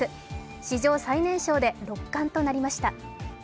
史上最年少で六冠となりました。